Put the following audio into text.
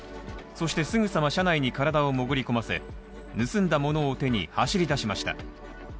そして、すぐさま車内に体を潜り込ませ盗んだものを手に、走りだしました。